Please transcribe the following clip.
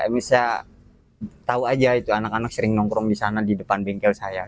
bisa tahu aja itu anak anak sering nongkrong di sana di depan bengkel saya